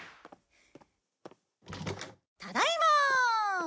ただいまー！